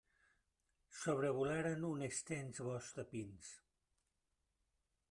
Sobrevolaren un extens bosc de pins.